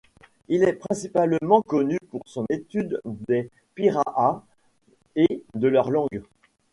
Il est principalement connu pour son étude des Pirahãs et de leur langue.